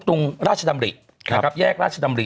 ตรงราชดำริแยกราชดำริ